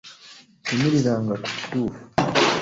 Yimiriranga ku kituufu.